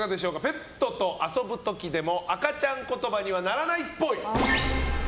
ペットと遊ぶ時でも赤ちゃん言葉にはならないっぽい。